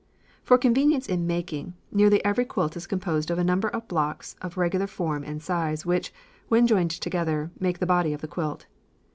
For convenience in making, nearly every quilt is composed of a number of blocks of regular form and size which, when joined together, make the body of the quilt.